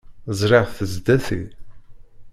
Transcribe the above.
Zṛiɣ-t sdat-i.